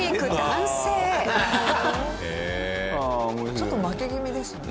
ちょっと負け気味ですね。